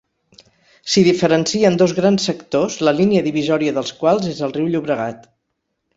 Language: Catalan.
S'hi diferencien dos grans sectors la línia divisòria dels quals és el riu Llobregat.